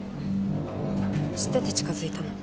知ってて近づいたの？